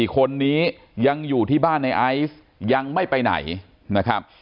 ๔คนนี้ยังอยู่ที่บ้านในไอซ์ยังไม่ไปไหนนะครับ